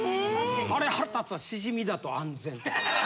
・あれ腹立つわ「しじみだと安全」。